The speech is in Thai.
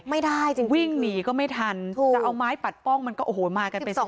ไม่ได้จริงวิ่งหนีก็ไม่ทันจะเอาไม้ปัดป้องมันก็โอ้โหมากันเป็นศพ